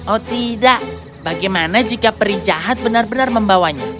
oh tidak bagaimana jika peri jahat benar benar membawanya